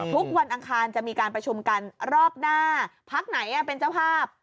วันอังคารจะมีการประชุมกันรอบหน้าพักไหนเป็นเจ้าภาพ